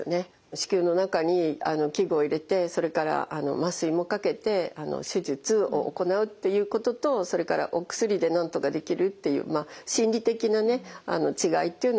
子宮の中に器具を入れてそれから麻酔もかけて手術を行うっていうこととそれからお薬でなんとかできるっていうまあ心理的なね違いっていうのがあります。